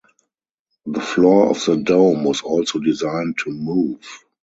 The floor of the dome was also designed to move.